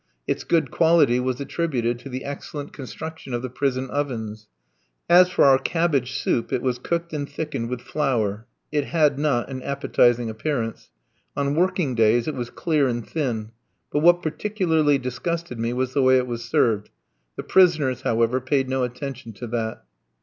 Its good quality was attributed to the excellent construction of the prison ovens. As for our cabbage soup, it was cooked and thickened with flour. It had not an appetising appearance. On working days it was clear and thin; but what particularly disgusted me was the way it was served. The prisoners, however, paid no attention to that.